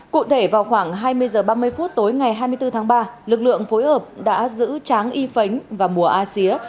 cụ thể vào khoảng hai mươi h ba mươi phút tối ngày hai mươi bốn tháng ba lực lượng phối hợp đã giữ tráng y phánh và mùa a xía